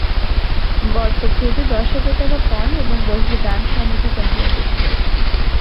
বরপক্ষ হইতে দশ হাজার টাকা পণ এবং বহুল দানসামগ্রী চাহিয়া বসিল।